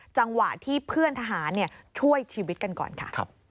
จังหวะที่เพื่อนทหารช่วยชีวิตกันก่อนค่ะ